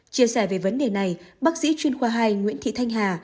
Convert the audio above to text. chia sẻ về vấn đề này bác sĩ chuyên khoa hai nguyễn thị thanh hà